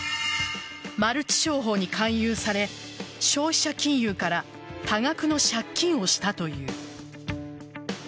マルチ商法に勧誘され消費者金融から多額の借金をしたという。